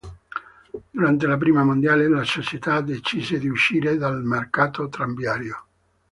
Durante la Prima guerra mondiale, la società decise di uscire dal mercato tranviario.